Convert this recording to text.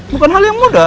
bukan hal yang mudah